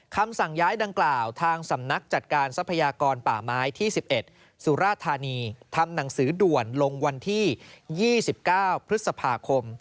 คำสั่งย้ายดังกล่าวทางสำนักจัดการทรัพยากรป่าไม้ที่๑๑สุราธานีทำหนังสือด่วนลงวันที่๒๙พฤษภาคม